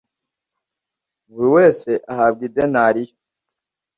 buri wese ahabwa idenariyo